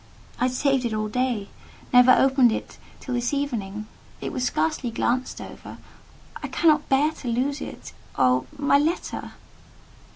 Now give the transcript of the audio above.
I had saved it all day—never opened it till this evening: it was scarcely glanced over: I cannot bear to lose it. Oh, my letter!"